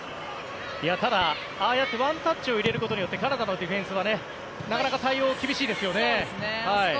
ただ、ああやってワンタッチを入れることによってカナダのディフェンスはなかなか対応が厳しいですよね。